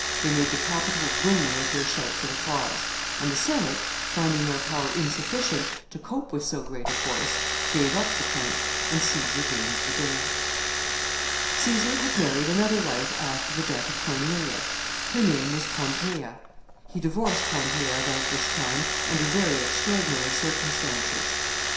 They made the Capitol ring with their shouts of applause; and the Senate, finding their power insufficient to cope with so great a force, gave up the point, and Caesar gained the day. [Sidenote: The Good Goddess.] Caesar had married another wife after the death of Cornelia. Her name was Pompeia, He divorced Pompeia about this time, under very extraordinary circumstances.